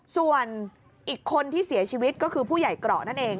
ส่วนอีกคนที่เสียชีวิตก็คือผู้ใหญ่เกราะนั่นเอง